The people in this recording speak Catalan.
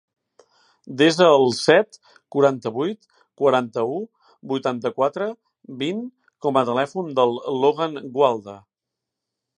Desa el set, quaranta-vuit, quaranta-u, vuitanta-quatre, vint com a telèfon del Logan Gualda.